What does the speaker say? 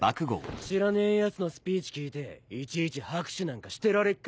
知らねえヤツのスピーチ聞いていちいち拍手なんかしてられっか